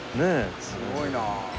すごいな。